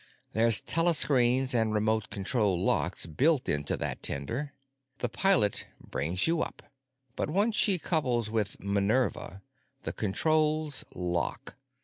There's telescreens and remote control locks built into that tender. The pilot brings you up, but once she couples with 'Minerva' the controls lock.